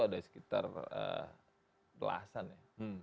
ada sekitar belasan ya